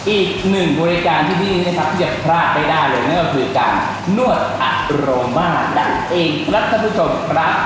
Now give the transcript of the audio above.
อีกหนึ่งบริการที่จะพลาดไม่ได้เลยนั่นก็คือการนวดอารม่าดังเองครับคุณผู้ชมครับ